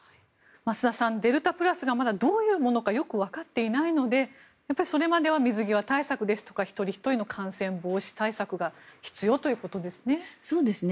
増田さん、デルタプラスがまだどういうものかよく分かっていないのでそれまでは水際対策ですとか一人ひとりの感染防止対策が必要ということですね。